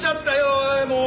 おいもう。